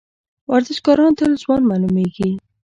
ورزشکاران تل ځوان معلومیږي.